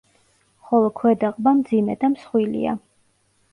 ხოლო ქვედა ყბა, მძიმე და მსხვილია.